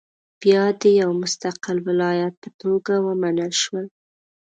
بیا د یو مستقل ولایت په توګه ومنل شول.